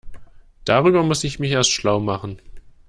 Darüber muss ich mich erst schlau machen.